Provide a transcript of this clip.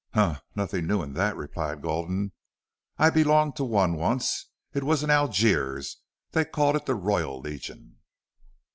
"Huh! Nothing new in that," replied Gulden. "I belonged to one once. It was in Algiers. They called it the Royal Legion."